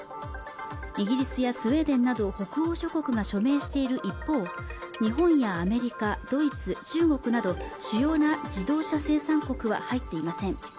イギリスやスウェーデンなど北欧諸国が署名している一方日本やアメリカ、ドイツ、中国など主要な自動車生産国は入っていません